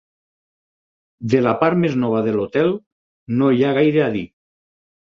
De la part més nova de l'Hotel no hi ha gaire a dir.